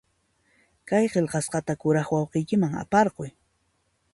Kay qillqasqata kuraq wayqiykiman aparquy.